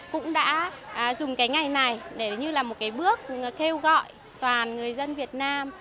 cũng đã dùng ngày này để làm một bước kêu gọi toàn người dân việt nam